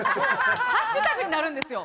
ハッシュタグになるんですよ